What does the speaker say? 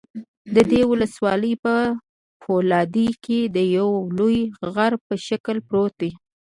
د دې ولسوالۍ په فولادي کې د یوه لوی غره په شکل پروت دى